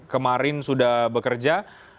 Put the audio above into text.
kemarin sudah bekerja